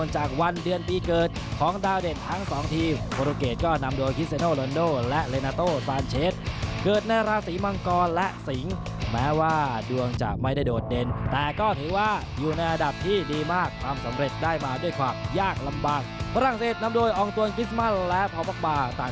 ยังไงก็เดี๋ยวเจอกันคืนนี้นะครับ